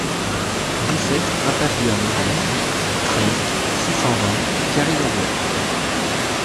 dix-sept impasse du Hameau de la Mer, treize, six cent vingt, Carry-le-Rouet